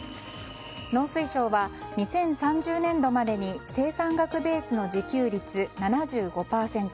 農水省は２０３０年度までに生産額ベースの自給率７５％